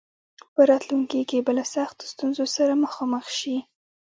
په راتلونکي کې به له سختو ستونزو سره مخامخ شي.